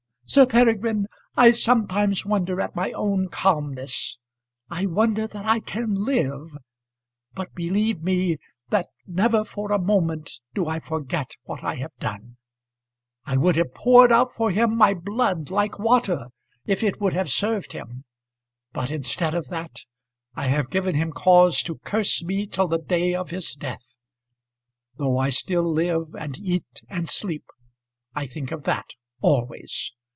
Sir Peregrine, I sometimes wonder at my own calmness. I wonder that I can live. But, believe me, that never for a moment do I forget what I have done. I would have poured out for him my blood like water, if it would have served him; but instead of that I have given him cause to curse me till the day of his death. Though I still live, and eat, and sleep, I think of that always.